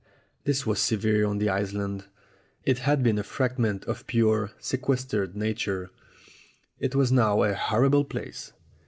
This was severe on the island. It had been a "frag ment of pure, sequestered nature" ; it was now a "horrible place."